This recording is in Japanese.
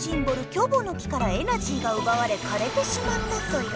「キョボの木」からエナジーがうばわれかれてしまったソヨ。